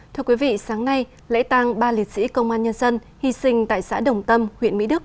thưa quý vị sáng nay lễ tàng ba liệt sĩ công an nhân dân hy sinh tại xã đồng tâm huyện mỹ đức